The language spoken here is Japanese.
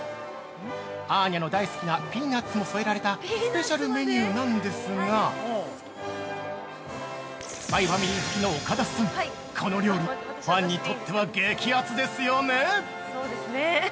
アーニャの大好きなピーナッツも添えられたスペシャルメニューなんですがＳＰＹｘＦＡＭＩＬＹ好きの岡田さん、この料理、ファンにとっては激アツですよね？